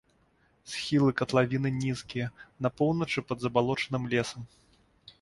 Схілы катлавіны нізкія, на поўначы пад забалочаным лесам.